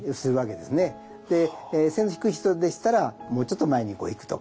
で背の低い人でしたらもうちょっと前にこう行くとか。